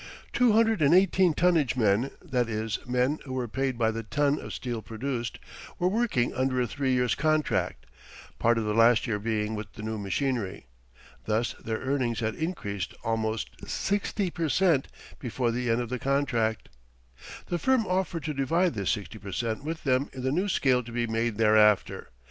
Two hundred and eighteen tonnage men (that is, men who were paid by the ton of steel produced) were working under a three years' contract, part of the last year being with the new machinery. Thus their earnings had increased almost sixty per cent before the end of the contract. The firm offered to divide this sixty per cent with them in the new scale to be made thereafter.